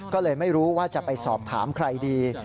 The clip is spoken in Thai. ก็เลยไม่รู้ว่าจะไปสอบถามใครดี